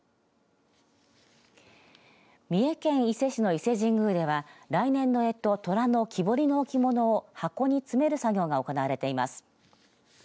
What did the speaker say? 三重県伊勢市の伊勢神宮では来年のえととらの木彫りの置物を箱に詰める作業が行われています。